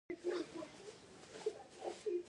خو د اوبو یخ کیدل کیمیاوي بدلون نه دی